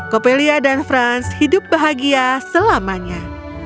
coppelia dan franz hidup bahagia selamanya